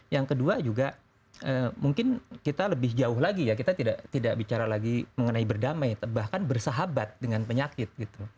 yang kedua juga mungkin kita lebih jauh lagi ya kita tidak bicara lagi mengenai berdamai bahkan bersahabat dengan penyakit gitu